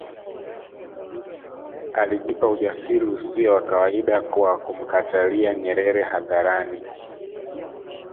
Alijipa ujasiri usio wa kawaida kwa kumkatalia Nyerere hadharani